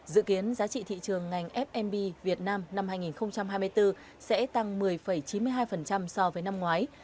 dự kiến giá trị thị trường ngành fmb việt nam năm hai nghìn hai mươi bốn sẽ tăng một mươi chín mươi hai so với năm ngoái